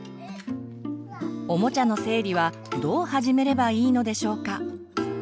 おもちゃの整理はどう始めればいいのでしょうか？